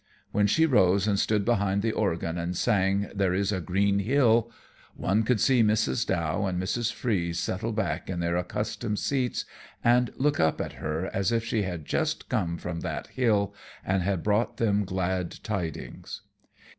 When she rose and stood behind the organ and sang "There Is a Green Hill," one could see Mrs. Dow and Mrs. Freeze settle back in their accustomed seats and look up at her as if she had just come from that hill and had brought them glad tidings.